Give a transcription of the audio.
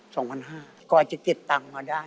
๒๕๐๐ก็อาจจะเก็บตังค์มาได้